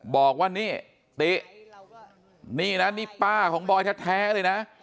บอกว่านี่ตินี่นะนี่ป้าของบอยแท้เลยนะ